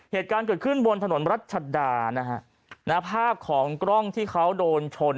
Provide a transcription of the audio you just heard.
เหตุการณ์เกิดขึ้นบนถนนรัชดานะฮะภาพของกล้องที่เขาโดนชน